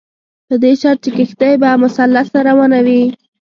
په دې شرط چې کښتۍ به مسلسله روانه وي.